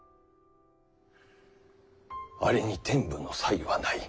あれに天賦の才はない。